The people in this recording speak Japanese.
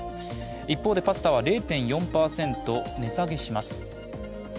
一方で、パスタは０．４％、値下げします。